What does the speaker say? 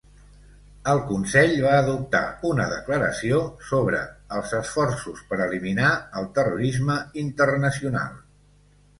El Consell va adoptar una declaració sobre els esforços per eliminar el terrorisme internacional.